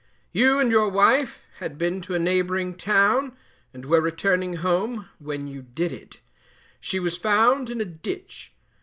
You and your wife had been to a neighbouring town, and were returning home, when you did it. She was found in a ditch.